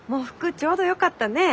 ちょうどよかったねえ。